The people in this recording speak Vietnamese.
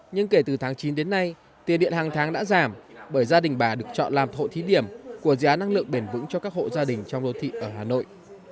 nhưng kể từ tháng chín đến nay tiền điện hàng tháng đã giảm bởi gia đình bà được chọn làm hộ thí điểm của dự án năng lượng bền vững cho các hộ gia đình trong đô thị ở hà nội